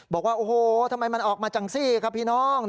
บอกว่าโอ้โหทำไมมันออกมาจังซี่ครับพี่น้อง